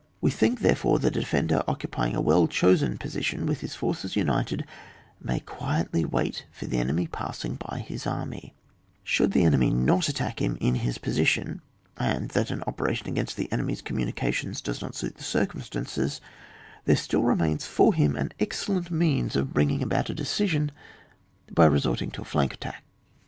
We think, therefore, that a defender occupying a well chosen position, with his forces united, may quietly wait for the enemy passing by his army; should the enemy not attack him in his position, and that an operation against the enemy's communications does not suit the circum stances, there still remains for him an excellent means of bringing about a decision lif resolting to a flank at tack.